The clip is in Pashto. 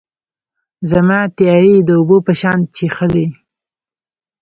زما تیارې یې د اوبو په شان چیښلي